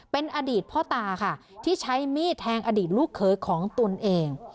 เป็นอดีตพ่อตาค่ะที่ใช้มีดแทงอดีตลูกเขยของตนเอง